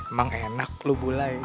emang enak lu bulai